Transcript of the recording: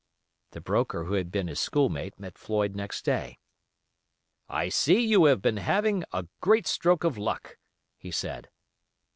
The broker who had been his schoolmate met Floyd next day. "I see you have been having a great stroke of luck," he said.